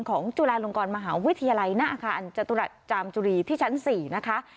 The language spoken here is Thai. จุฬาลงกรมหาวิทยาลัยหน้าอาคารจตุรัสจามจุรีที่ชั้น๔นะคะ